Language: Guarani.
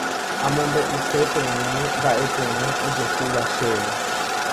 Amombe'use peẽme mba'eporã ojehúva chéve.